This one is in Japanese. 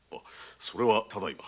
それはただいま。